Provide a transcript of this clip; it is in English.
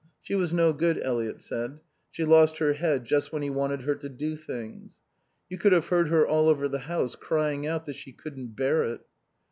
She was no good, Eliot said. She lost her head just when he wanted her to do things. You could have heard her all over the house crying out that she couldn't bear it.